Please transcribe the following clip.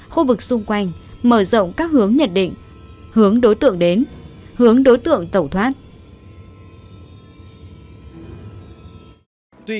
khu vực xung quanh mở rộng các hướng nhận định hướng đối tượng đến hướng đối tượng tẩu thoát